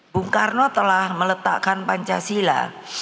bung karno telah meletakkan pancasila